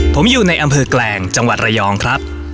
ผมอยู่ในอำเภอแกลงจังหวัดระยองครับ